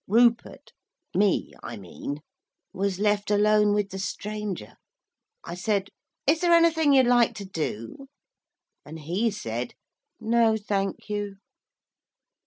Rupert me, I mean was left alone with the stranger. I said: 'Is there anything you'd like to do?' And he said, 'No, thank you.'